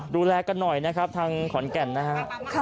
ดูแลกันหน่อยนะครับทางขอนแก่นนะฮะ